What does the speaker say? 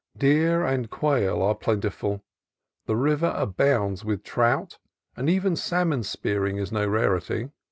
Deer and quail are plentiful ; the river abounds with trout; and even salmon spearing is no rarity.